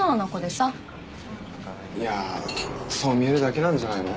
いやそう見えるだけなんじゃないの？